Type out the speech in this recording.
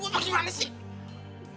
lo dapet apaan sih